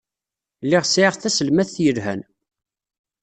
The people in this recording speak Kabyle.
Lliɣ sɛiɣ taselmadt yelhan.